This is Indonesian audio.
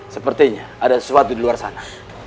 sepertinya ada sesuatu di luar sana